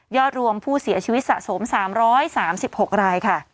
รวมผู้เสียชีวิตสะสม๓๓๖รายค่ะ